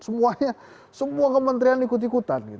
semua kementerian ikut ikutan